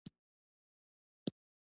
د خرابې خاورې پر ځای باید نوي مواد واچول شي